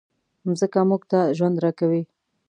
مځکه موږ ته ژوند راکوي.